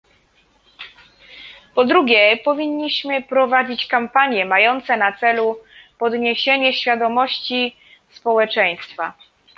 Po drugie, powinniśmy prowadzić kampanie mające na celu podniesienie świadomości społeczeństwa